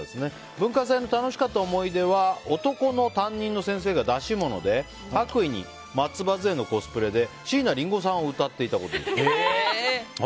文化祭の楽しかった思い出は男の担任の先生が出し物で白衣に松葉杖のコスプレで椎名林檎さんを歌っていたことです。